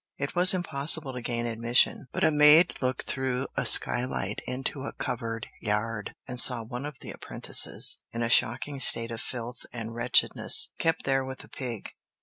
It was impossible to gain admission, but a maid looked through a skylight into a covered yard, and saw one of the apprentices, in a shocking state of filth and wretchedness, kept there with a pig.